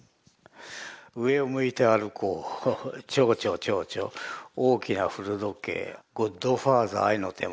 「上を向いて歩こう」「ちょうちょちょうちょ」「大きな古時計」「ゴッドファーザー愛のテーマ」